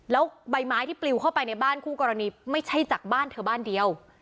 แล้วใบไม้ที่ปลิวเข้าไปในบ้านคู่กรณีไม่ใช่จากบ้านเธอบ้านเดียว